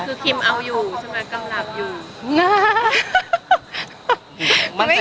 คือคิมเอาอยู่ใช่ไหมกำลังหลับอยู่